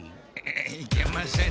いけません。